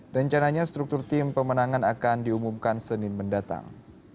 rencananya struktur tim pemenangan akan diumumkan senin mendatang